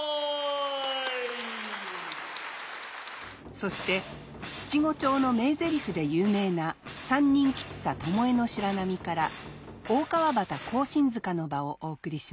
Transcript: そして七五調の名台詞で有名な「三人吉三巴白浪」から「大川端庚申塚の場」をお送りします。